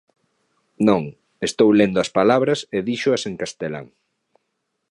Non, estou lendo as palabras, e díxoas en castelán.